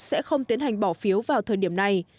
sẽ không tiến hành bỏ phiếu vào thời điểm này